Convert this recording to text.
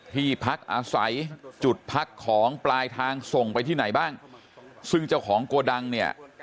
ที่พักอาศัยจุดพักของปลายทางส่งไปที่ไหนบ้างซึ่งเจ้าของโกดังเนี่ย